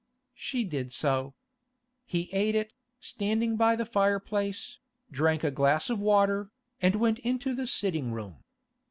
She did so. He ate it, standing by the fireplace, drank a glass of water, and went into the sitting room.